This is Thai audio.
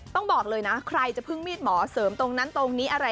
ต้องบอกเลยนะใครจะพึ่งมีดหมอเสริมตรงนั้นตรงนี้อะไร